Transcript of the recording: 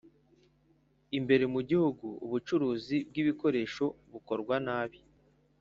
imbere mu gihugu ubucuruzi bw ibikoresho bukorwa nabi.